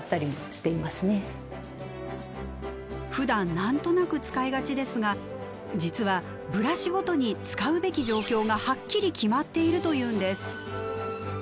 ふだん何となく使いがちですが実はブラシごとに使うべき状況がはっきり決まっているというんです。